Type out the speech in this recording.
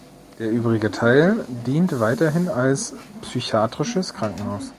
Der übrige Teil dient weiterhin als psychiatrisches Krankenhaus.